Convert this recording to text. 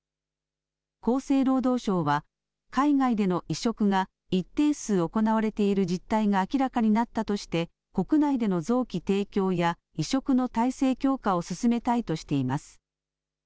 厚生労働省は、海外での移植が一定数行われている実態が明らかになったとして、国内での臓器提供や移植の体制強化を進めたいとしています。